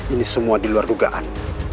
ini semua diluar dugaan